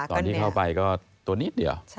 ตอนที่เข้าไปก็ตัวนิดเดียว